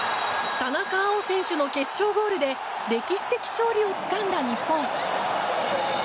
田中碧選手の決勝ゴールで歴史的勝利をつかんだ日本。